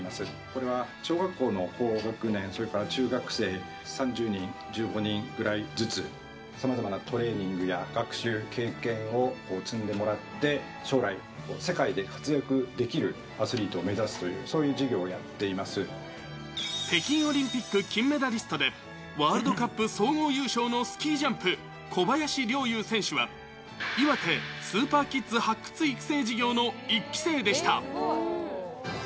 これは小学校の高学年、それから中学生３０人、１５人くらいずつ、さまざまなトレーニングや学習、経験を積んでもらって、将来、世界で活躍できるアスリートを目指すという、北京オリンピック金メダリストで、ワールドカップ総合優勝のスキージャンプ、小林陵侑選手は、いわてスーパーキッズ発掘育成事業の１期生でした。